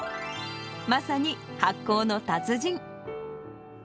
まさに発酵の達人。